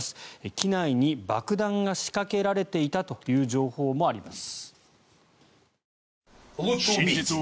機内に爆弾が仕掛けられていたという情報もあります。